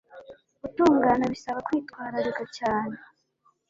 gutungana bisaba kwitwararika cyane